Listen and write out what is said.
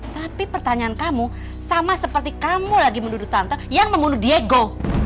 tapi pertanyaan kamu sama seperti kamu lagi mendudu tante yang membunuh diego